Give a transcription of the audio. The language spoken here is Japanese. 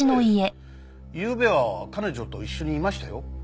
ゆうべは彼女と一緒にいましたよ。